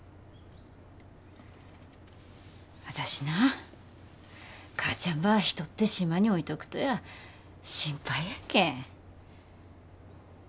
私な母ちゃんば一人で島に置いとくとや心配やけん。